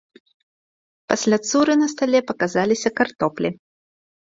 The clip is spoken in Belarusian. Пасля цуры на стале паказаліся картоплі.